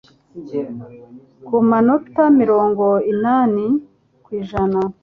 ku manota mirongo inani ku ijana.